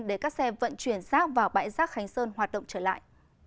để các xe vận chuyển rác vào bãi rác khánh sơn hoạt động trở lại